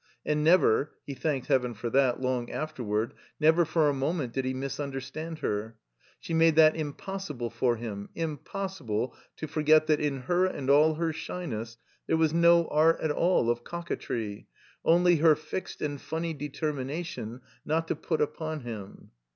And never (he thanked Heaven for that, long afterward), never for a moment did he misimderstand her. She made that impossible for him; impossible to forget that in her and all her shyness there was no art at all of *'cock a tree," only her fixed and fimny determina tion not "to put upon him."